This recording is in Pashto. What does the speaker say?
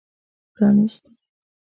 پرانیستي